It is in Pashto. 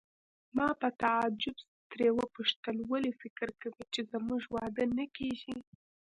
ما په تعجب ترې وپوښتل: ولې فکر کوې چې زموږ واده نه کیږي؟